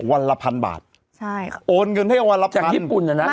วันละพันบาทใช่ค่ะโอนเงินให้วันรับจากญี่ปุ่นน่ะนะ